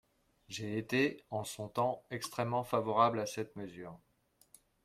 J’ai été, en son temps, extrêmement favorable à cette mesure.